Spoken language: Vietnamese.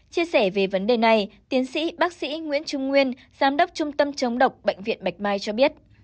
chia sẻ về vấn đề này tiến sĩ bác sĩ nguyễn trung nguyên giám đốc trung tâm chống độc bệnh viện bạch mai cho biết